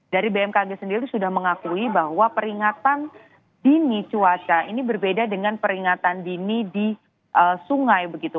dari bmkg sendiri sudah mengakui bahwa peringatan dini cuaca ini berbeda dengan peringatan dini di sungai begitu